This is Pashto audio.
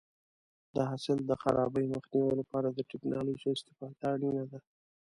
د حاصل د خرابي مخنیوي لپاره د ټکنالوژۍ استفاده اړینه ده.